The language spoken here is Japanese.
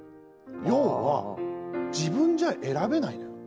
要は自分じゃ選べないのよ。